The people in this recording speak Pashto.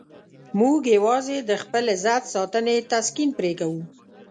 موږ یوازې د خپل عزت ساتنې تسکین پرې کوو.